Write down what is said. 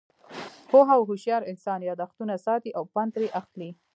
پوه او هوشیار انسان، یاداښتونه ساتي او پند ترې اخلي.